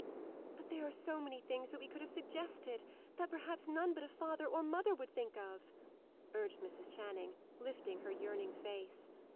"But there are so many things that we could have suggested; that perhaps none but a father or mother would think of!" urged Mrs. Channing, lifting her yearning face.